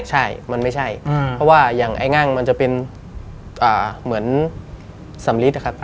ใช่มันไม่ใช่เพราะว่าอย่างไอ้งั่งมันจะเป็นเหมือนสำลิดนะครับ